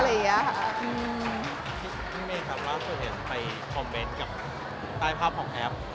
คิดพี่เมย์ค่ะว่าคุณเห็นไปคอมเมนต์กับตายภาพของแอฟ